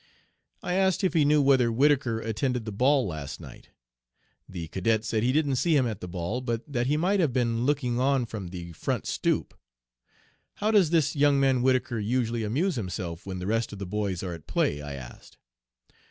I asked if he knew whether Whittaker attended the ball last night. The cadet said he didn't see him at the ball, but that he might have been looking on from the front stoop! 'How does this young man Whittaker usually amuse himself when the rest of the boys are at play?' I asked.